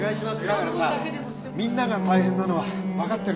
だからさみんなが大変なのはわかってるから。